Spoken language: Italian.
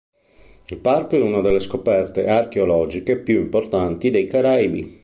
Il parco è una delle scoperte archeologiche più importanti dei Caraibi.